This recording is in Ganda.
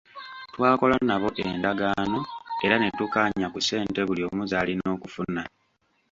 Twakola nabo endagaano era ne tukkaanya ku ssente buli omu z'alina okufuna.